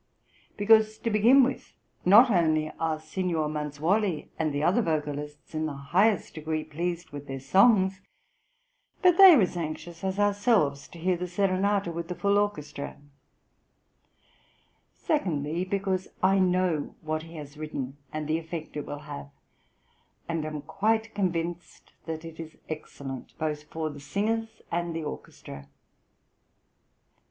"Because, to begin with, {"ASCANIO IN ALBA."} (137) not only are Signor Manzuoli and the other vocalists in the highest degree pleased with their songs, but they are as anxious as ourselves to hear the serenata with the full orchestra; secondly, because I know what he has written, and the effect it will have, and am quite convinced that it is excellent, both for the singers and the orchestra."